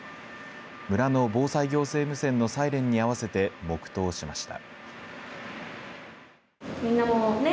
村の防災行政無線のサイレンに合わせて黙とうしました。